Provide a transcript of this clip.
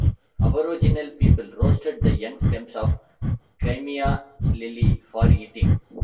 Aboriginal people roasted the young stems of gymea lily for eating.